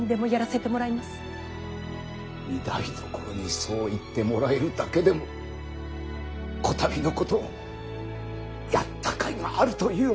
御台所にそう言ってもらえるだけでもこたびのことやった甲斐があるというものだ。なあ？